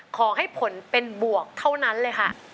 ขอให้ผลเป็นบวกเท่านั้นเลยค่ะ